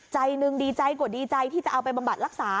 ใจหนึ่งดีใจกว่าดีใจที่จะเอาไปบำบัดรักษา